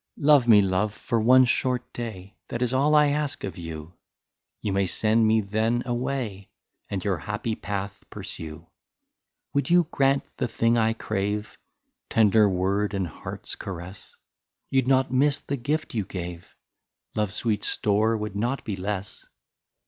Love me, love, for one short day, — That is all I ask of you ; You may send me then away. And your happy path pursue. Would you grant the thing I crave — Tender word and heart's caress — You 'd not miss the gift you gave. Love's sweet store would not be less.